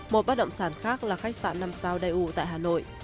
một bác động sản khác là khách sạn năm sao đầy ủ tại hà nội